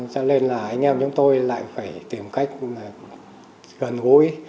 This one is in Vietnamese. cho nên là anh em chúng tôi lại phải tìm cách gần gũi